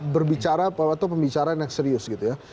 berbicara atau pembicaraan yang serius gitu ya